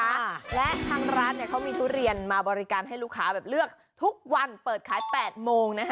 และทางร้านเขามีทุเรียนมาบริการให้ลูกค้าเลือกทุกวันเปิดขาย๙๐๐น